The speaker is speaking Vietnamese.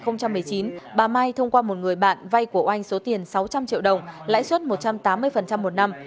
năm hai nghìn một mươi chín bà mai thông qua một người bạn vay của oanh số tiền sáu trăm linh triệu đồng lãi suất một trăm tám mươi một năm